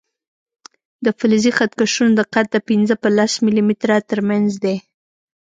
د فلزي خط کشونو دقت د پنځه په لس ملي متره تر منځ دی.